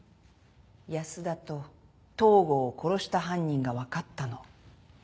安田と東郷を殺した犯人が分かったの。